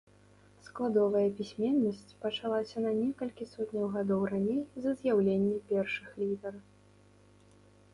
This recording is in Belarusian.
Складовая пісьменнасць пачалася на некалькі сотняў гадоў раней за з'яўленне першых літар.